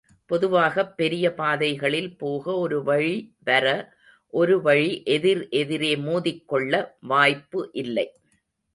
பொதுவாகப் பெரிய பாதைகளில் போக ஒரு வழி வர ஒரு வழி எதிர் எதிரே மோதிக்கொள்ள வாய்ப்பு இல்லை.